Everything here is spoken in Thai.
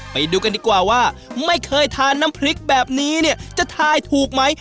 ไปดูกันดีกว่าว่าไม่เคยทานน้ำพริกแบบนี้เนี่ยจะทายถูกไหม